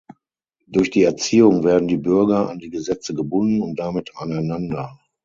Durch die Erziehung werden die Bürger an die Gesetze gebunden und damit aneinander.